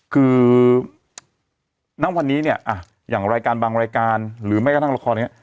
คือณวันนี้เนี่ยอย่างรายการบางรายการหรือแม้กระทั่งละครเนี่ย